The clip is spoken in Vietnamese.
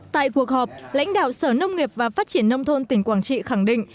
tại cuộc họp lãnh đạo sở nông nghiệp và phát triển nông thôn tỉnh quảng trị khẳng định